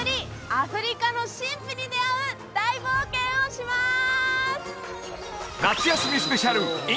アフリカの神秘に出会う大冒険をします！